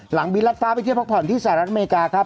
บินรัดฟ้าไปเที่ยวพักผ่อนที่สหรัฐอเมริกาครับ